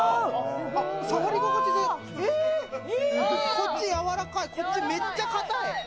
こっち柔らかいこっちめっちゃ硬い。